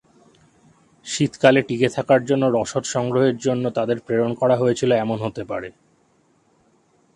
শীতকালে টিকে থাকার জন্য রসদ সংগ্রহের জন্য তাদের প্রেরণ করা হয়েছিল এমন হতে পারে।